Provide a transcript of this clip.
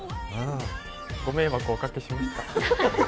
ご迷惑をおかけしました。